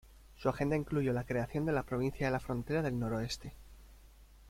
Su agenda incluyó la creación de la Provincia de la Frontera del Noroeste.